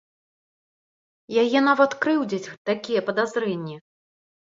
Яе нават крыўдзяць такія падазрэнні.